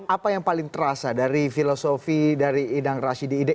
apa yang paling terasa dari filosofi dari idang rashidi